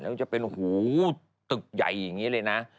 แล้วจะเป็นโอ้โฮตึกใหญ่อย่างนี้เลยนะ